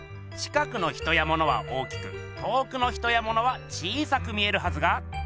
近くの人やものは大きく遠くの人やものは小さく見えるはずが。